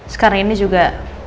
sekarang ini juga